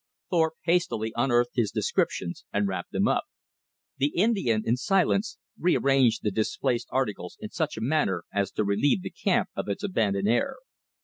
Thorpe hastily unearthed his "descriptions" and wrapped them up. The Indian, in silence, rearranged the displaced articles in such a manner as to relieve the camp of its abandoned air.